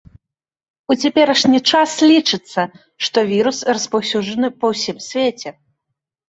У цяперашні час лічыцца, што вірус распаўсюджаны па ўсім свеце.